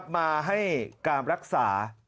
มาให้การรักษา